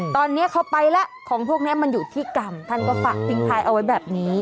ตอนนี้เขาไปแล้วของพวกนี้มันอยู่ที่กรรมท่านก็ฝากทิ้งท้ายเอาไว้แบบนี้